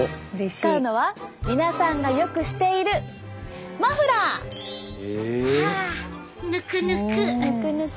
使うのは皆さんがよくしているマフラー。はあぬくぬく。